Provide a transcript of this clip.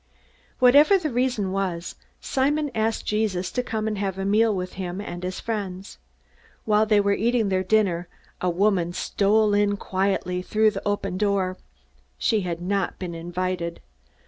Whatever the reason was, Simon asked Jesus to come and have a meal with him and his friends. While they were eating their dinner, a woman stole in quietly through the open door. She had not been invited.